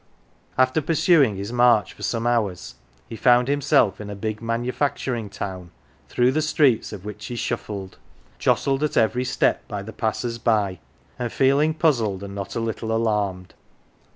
After pursuing his march for some hours he found himself in a big manufacturing town, through the streets of which he shuffled, jostled at every step by 131 "THE GILLY F'ERS" the passers by, and feeling puzzled and not a little alarmed.